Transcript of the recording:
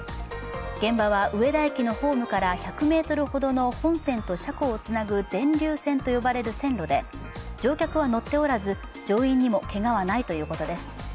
現場は上田駅のホームから１００ｍほどの本線と車庫をつなぐ電留線と呼ばれる線路で乗客は乗っておらず、乗員にもけがはないということです